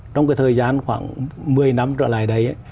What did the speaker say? trong cái thời gian khoảng một mươi năm trở lại đây